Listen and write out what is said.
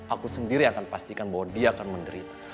aku sendiri yang akan pastikan bahwa dia akan menderita